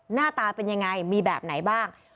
หน้าตาเป็นยังไงมีแบบไหนบ้าง